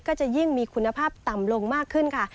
ก็จะยิ่งมีคุณภาพต่ำลงมากขึ้นค่ะ